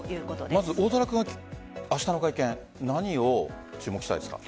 大空君は、明日の会見何を注目したいですか？